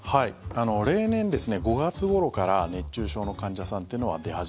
例年５月ごろから熱中症の患者さんっていうのは毎年？